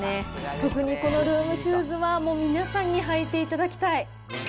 特にこのルームシューズはもう皆さんに履いていただきたい。